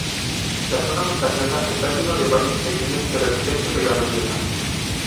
La zona montañosa, esta lleno de valles pequeños pero extensos de gran belleza.